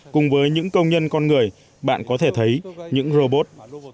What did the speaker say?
cùng với những công nhân con người bạn có thể thấy những robot